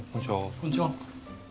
こんちは。